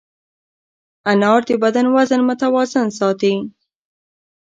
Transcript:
انار د بدن وزن متوازن ساتي.